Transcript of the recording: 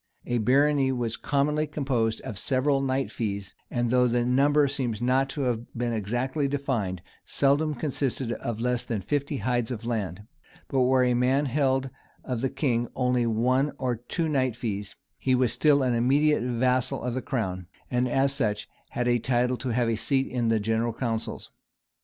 A barony was commonly composed of several knightsr fees: and though the number seems not to have been exactly defined, seldom consisted of less than fifty hides of land:[*] but where a man held of the king only one or two knight's fees, he was still an immediate vassal of the crown, and as such had a title to have a seat in the general councils.